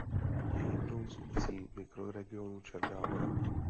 Je jednou z obcí mikroregionu Černá hora.